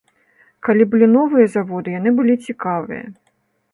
Калі былі новыя заводы, яны былі цікавыя.